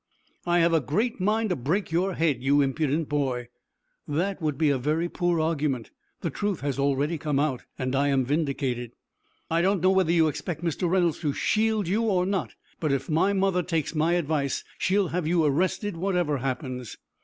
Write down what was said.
"I have a great mind to break your head, you impudent boy!" "That would be a very poor argument. The truth has already come out, and I am vindicated." "I don't know whether you expect Mr. Reynolds to shield you or not, but, if my mother takes my advice, she will have you arrested, whatever happens."